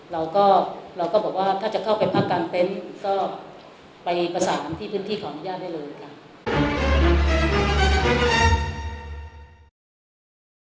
เราก็เราก็บอกว่าถ้าจะเข้าไปพักการเต็ม